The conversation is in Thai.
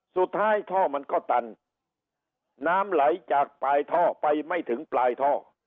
ท่อมันก็ตันน้ำไหลจากปลายท่อไปไม่ถึงปลายท่อ